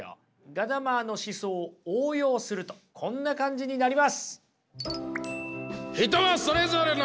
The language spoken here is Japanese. ガダマーの思想を応用するとこんな感じになります。